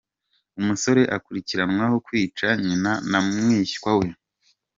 Umusore akurikiranweho kwica nyina na mwishywa we